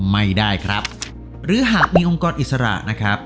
ไม่ได้ครับหรือหากมีองค์กรอิสระนะครับ